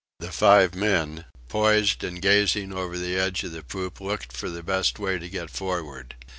The five men, poised and gazing over the edge of the poop, looked for the best way to get forward.